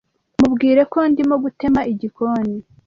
Mubwire ko ndimo gutema igikoni.